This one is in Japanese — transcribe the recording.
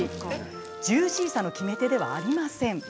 ジューシーさの決め手ではありません。